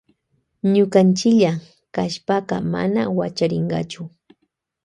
Ñukanchilla kashpaka mana wachariynkachu.